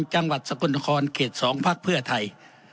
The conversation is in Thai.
จังหวัดสกุลคอนเขต๒ภาคเพื่อไทย